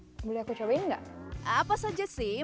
akan milles netherlands teradap menggunakan guru it was a time machine